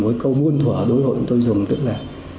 mỗi câu muôn thỏa đối hội tôi dùng tức là